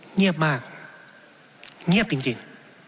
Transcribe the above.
เงียบมากเงียบจริง